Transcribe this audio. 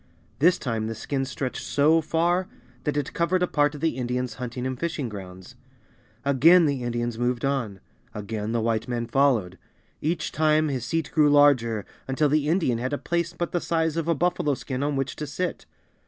This time the skin stretched so far that it covered a part of the Indians' hunting and fishing grounds. Again the Indians moved on. Again the White man followed. Each time his seat grew larger, until the Indian had a place but the size of a buffalo skin on which to sit.